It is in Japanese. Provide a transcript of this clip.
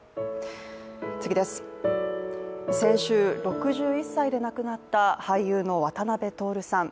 先週、６１歳で亡くなった俳優の渡辺徹さん。